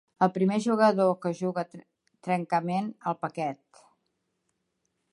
El primer jugador que juga trencament el paquet.